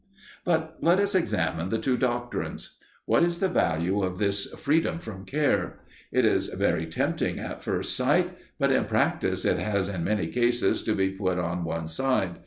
But let us examine the two doctrines. What is the value of this "freedom from care"? It is very tempting at first sight, but in practice it has in many cases to be put on one side.